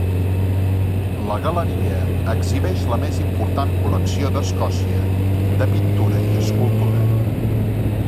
La galeria exhibeix la més important col·lecció d'Escòcia de pintura i escultura.